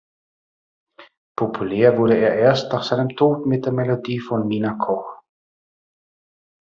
Populär wurde es erst nach seinem Tod mit der Melodie von Mina Koch.